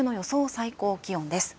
最高気温です。